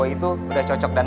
gak perlu sopan